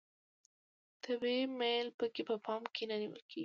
طبیعي میل پکې په پام کې نه نیول کیږي.